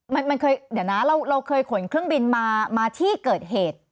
มันเคยเดี๋ยวนะเราเคยขนเครื่องบินมาที่เกิดเหตุ